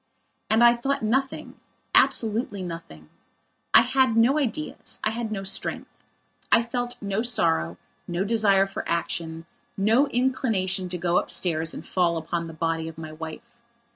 And I thought nothing; absolutely nothing. I had no ideas; I had no strength. I felt no sorrow, no desire for action, no inclination to go upstairs and fall upon the body of my wife.